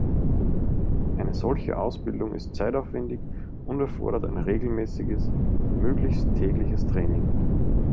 Eine solche Ausbildung ist zeitaufwendig und erfordert ein regelmäßiges, möglichst tägliches Training.